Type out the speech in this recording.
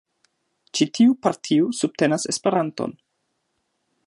Ĉi tiu partio subtenas Esperanton.